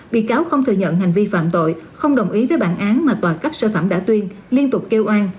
bị cáo không thừa nhận hành vi phạm tội không đồng ý với bản án mà tòa cấp sơ thẩm đã tuyên liên tục kêu an